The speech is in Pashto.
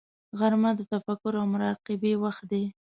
غرمه د تفکر او مراقبې وخت دی